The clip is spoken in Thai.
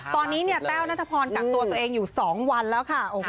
ตอนนี้เนี่ยแต้วนัทพรกักตัวตัวเองอยู่๒วันแล้วค่ะ